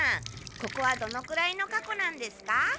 ここはどのくらいの過去なんですか？